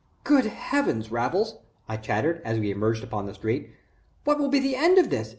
"Great Heavens, Raffles!" I chattered, as we emerged upon the street. "What will be the end of this?